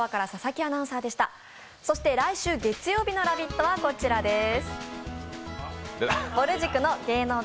来週月曜日の「ラヴィット！」はこちらです。